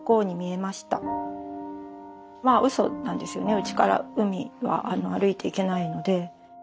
うちから海は歩いて行けないので。